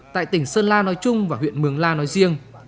tại tỉnh sơn la nói chung và huyện mường la nói riêng